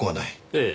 ええ。